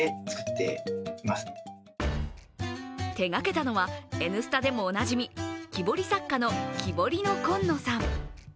手がけたのは、「Ｎスタ」でもおなじみ、木彫り作家のキボリノコンノさん。